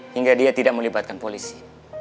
hingga dia tidak melibatkan polisi